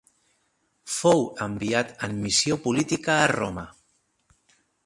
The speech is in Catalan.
Fou enviat en missió política a Roma.